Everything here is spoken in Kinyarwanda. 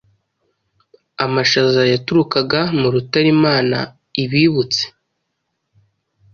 amashaza yaturukaga mu rutare Imana ibibutse,